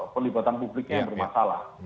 pelibatan publiknya yang bermasalah